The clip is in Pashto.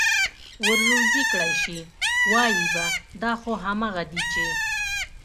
ور روزي كړى شي، وايي به: دا خو همغه دي چې: